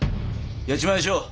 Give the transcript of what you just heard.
やっちまいやしょう。